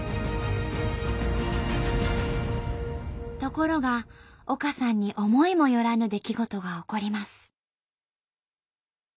ところが丘さんに思いもよらぬ出来事が起こります。